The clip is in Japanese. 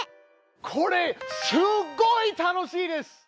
これすっごい楽しいです！